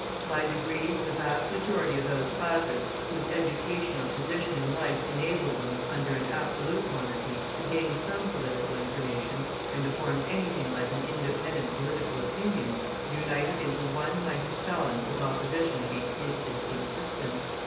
By degrees the vast majority of those classes whose education or position in life enabled them, under an Absolute Monarchy, to gain some political information, and to form anything like an independent political opinion, united into one mighty phalanx of opposition against the existing system.